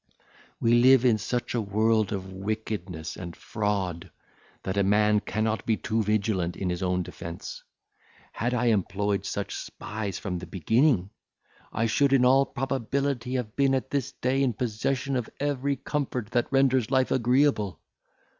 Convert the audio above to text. We live in such a world of wickedness and fraud, that a man cannot be too vigilant in his own defence: had I employed such spies from the beginning, I should in all probability have been at this day in possession of every comfort that renders life agreeable.